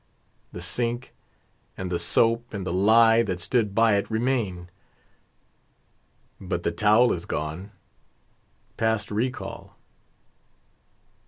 The sink and the soap and the lye that stood by it Remain; but the towel is gone past recall.